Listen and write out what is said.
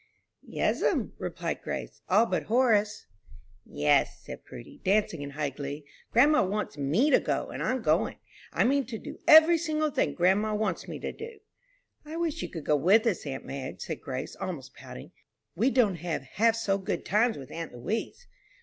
"Yes'm," replied Grace, "all but Horace." "Yes," said Prudy, dancing in high glee, "grandma wants me to go, and I'm goin'. I mean to do every single thing grandma wants me to." "I wish you could go with us, aunt Madge," said Grace, almost pouting; "we don't have half so good times with aunt Louise."